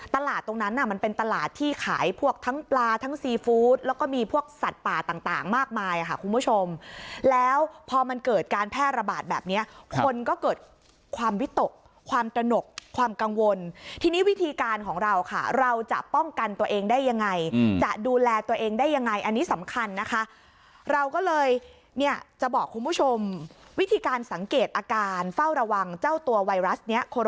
ตลาดตรงนั้นน่ะมันเป็นตลาดที่ขายพวกทั้งปลาทั้งซีฟู้ดแล้วก็มีพวกสัตว์ป่าต่างมากมายค่ะคุณผู้ชมแล้วพอมันเกิดการแพร่ระบาดแบบนี้คนก็เกิดความวิตกความตระหนกความกังวลทีนี้วิธีการของเราค่ะเราจะป้องกันตัวเองได้ยังไงจะดูแลตัวเองได้ยังไงอันนี้สำคัญนะคะเราก็เลยเนี่ยจะบอกคุณผู้ชมวิธีการสังเกตอาการเฝ้าระวังเจ้าตัวไวรัสเนี้ยคน